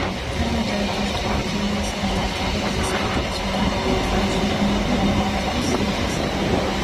თანამედროვე ბირთვული ქიმიის ერთ-ერთი ყველაზე საინტერესო დარგია ტრანსურანული ელემენტების სინთეზი.